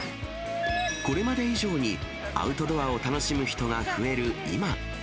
これまで以上にアウトドアを楽しむ人が増える今。